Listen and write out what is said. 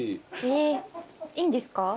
えっいいんですか？